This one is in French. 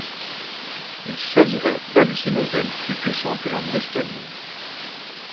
Il s'agirait d'hallucinogènes plus puissants que la mescaline.